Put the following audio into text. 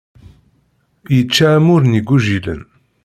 Yečča amur n igujilen.